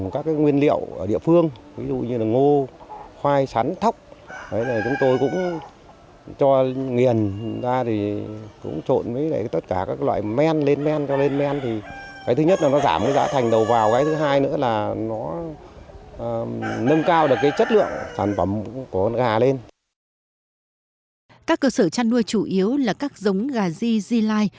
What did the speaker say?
các cơ sở chăn nuôi chủ yếu là các giống gà di di lai